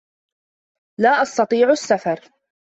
لا أستطيع السّفر.